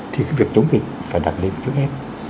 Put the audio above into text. thì cái việc chống dịch phải đặt lên trước hết